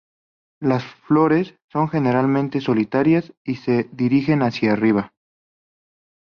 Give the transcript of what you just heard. Las flores son generalmente solitarias y se dirigen hacia arriba.